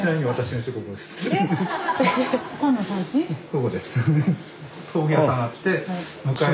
ここです。